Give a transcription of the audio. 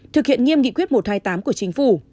thực hiện nghiêm nghị quyết một trăm hai mươi tám của chính phủ